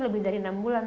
lebih dari enam bulan